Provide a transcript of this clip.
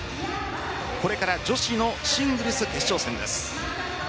これから女子のシングルス決勝戦です。